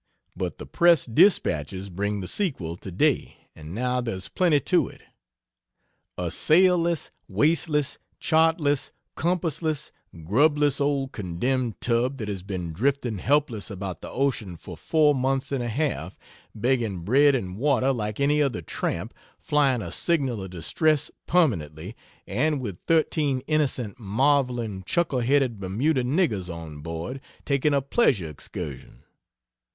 But the press dispatches bring the sequel today, and now there's plenty to it. A sailless, wasteless, chartless, compassless, grubless old condemned tub that has been drifting helpless about the ocean for 4 months and a half, begging bread and water like any other tramp, flying a signal of distress permanently, and with 13 innocent, marveling chuckleheaded Bermuda niggers on board, taking a Pleasure Excursion!